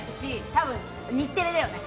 多分、日テレだよね。